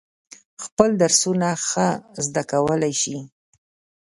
خپل درسونه ښه زده کولای شي.